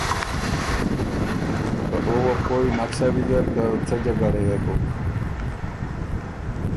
که او وه پویٛ نک سۀ ویزر که څۀ جګړه يې بُک۔